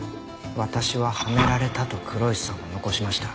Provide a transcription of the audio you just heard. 「私は嵌められた」と黒石さんは残しました。